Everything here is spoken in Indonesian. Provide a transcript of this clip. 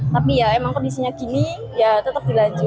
tapi ya emang kondisinya gini ya tetap dilanjut